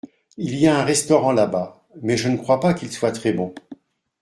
Il y a un restaurant là-bas, mais je ne crois pas qu’il soit très bon.